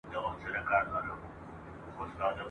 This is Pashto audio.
ستا تر پلو ستا تر اوربل او ستا تر څڼو لاندي ..